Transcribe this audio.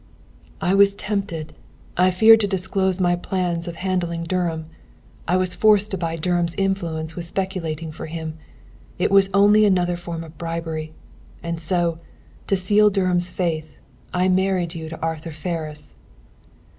"I was tempted! I feared to disclose my plans of handling Dunham. I was forced to buy Dunham's influence with speculating for him. It was only another form of bribery. And so, to seal Dunham's faith, I married you to Arthur Ferris!"